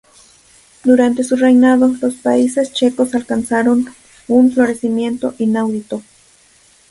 Durante su reinado, los Países Checos alcanzaron un florecimiento inaudito.